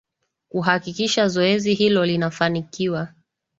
kuhakikisha zoezi hilo linafanikiwa